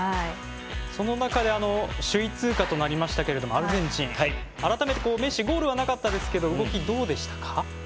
その中で首位通過となりましたけれどもアルゼンチン改めてメッシゴールはなかったですけど動き、どうでしたか？